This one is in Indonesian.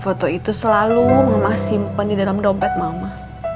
foto itu selalu mama simpan di dalam dompet mama